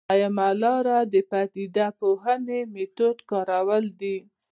دویمه لاره د پدیده پوهنې میتود کارول دي.